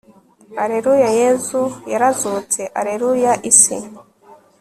alleluya yezu yarazutse, alleluya isi